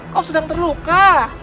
kau sedang terluka